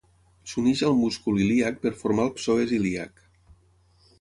S'uneix al múscul ilíac per formar el psoes ilíac.